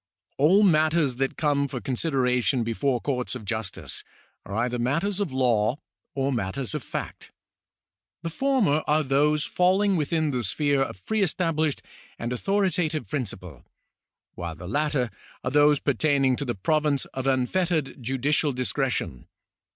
All matters that come for consideration before coiu'ts of justice are either matters of law or matters of fact. The former are those falling within the sphere of pre established and authoritative principle, while the latter are those pertaining to the province of unfettered judicial discre tion.